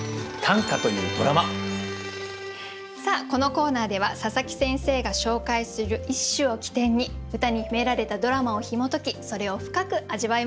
さあこのコーナーでは佐佐木先生が紹介する一首を起点に歌に秘められたドラマをひも解きそれを深く味わいます。